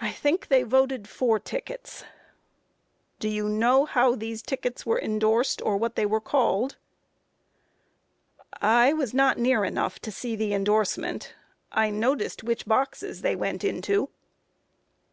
A. I think they voted four tickets. Q. Do you know how these tickets were endorsed, or what they were called? A. I was not near enough to see the endorsement; I noticed which boxes they went into.